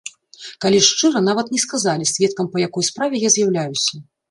Калі шчыра, нават не сказалі, сведкам па якой справе я з'яўляюся.